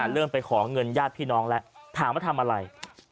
เริ่มไปขอเงินญาติพี่น้องแล้วถามว่าทำอะไร